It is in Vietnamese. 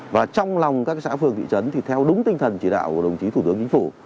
và trong lòng các xã phường thị trấn thì theo đúng tinh thần chỉ đạo của đồng chí thủ tướng chính phủ